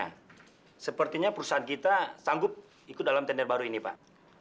nah sepertinya perusahaan kita sanggup ikut dalam tender baru ini pak